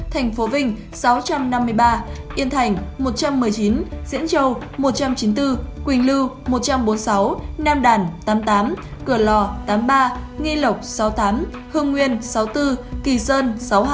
tp vinh sáu trăm năm mươi ba yên thành một trăm một mươi chín diễn châu một trăm chín mươi bốn quỳnh lưu một trăm bốn mươi sáu nam đàn tám mươi tám cửa lò tám mươi ba nghị lộc sáu mươi tám hương nguyên sáu mươi bốn kỳ sơn sáu mươi hai